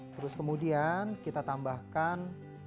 terus kemudian kita tambahkan